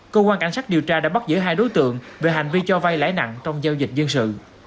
công an cảnh sát điều tra đã bắt giữa hai đối tượng về hành vi cho vay lãi nặng trong giao dịch dân sự